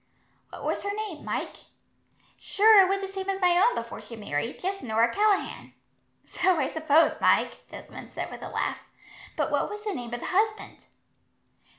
"What was her name, Mike?" "Sure it was the same as my own before she married, just Norah Callaghan." "So I suppose, Mike," Desmond said with a laugh; "but what was the name of the husband?"